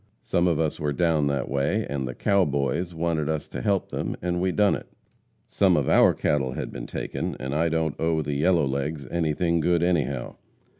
Some of us were down that way, and "the cow boys" wanted us to help them and we done it. Some of our cattle had been taken, and I don't owe the yellow legs anything good anyhow.